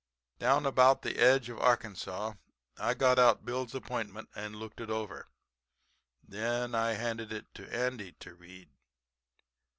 "Down about the edge of Arkansas I got out Bill's appointment and looked it over, and then I handed it to Andy to read.